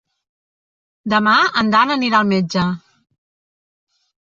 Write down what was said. Demà en Dan anirà al metge.